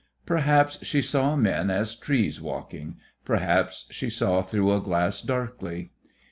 Perhaps she saw men as trees walking, perhaps she saw through a glass darkly.